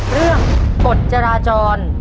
เรื่องกฎจราจร